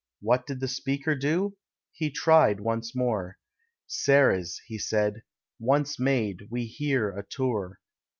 What did the speaker do? he tried once more: "Ceres," he said, "once made, we hear, a tour.